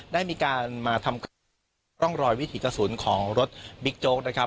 ได้มีการมาทำร่องรอยวิถีกระสุนของรถบิ๊กโจ๊กนะครับ